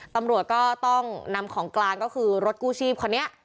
ตำรวจก็ต้องนำของกลางก็คือรถกู้ชีพคนนี้